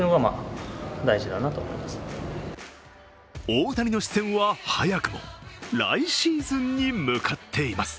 大谷の視線は早くも来シーズンに向かっています。